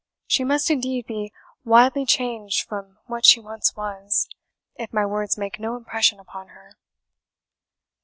She must indeed be widely changed from what she once was, if my words make no impression upon her."